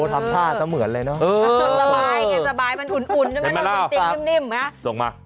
ทำผ้าต้องเหมือนเลยเนอะสบายมันอุ่นใช่ไหมครับติ๊กนิ่มนะส่งมา